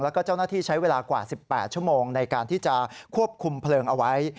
แล้วก็เจ้าหน้าที่ใช้เวลากว่า๑๘ชั่วโมงในการที่จะควบคุมเพลิงเอาไว้